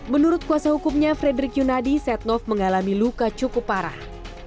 menurut kuasa hukumnya frederick yunadi setnoff mengalami luka cukup parah